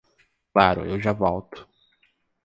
Claro, eu já volto.